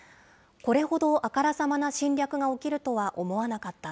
これほどあからさまな侵略が起きるとは思わなかった。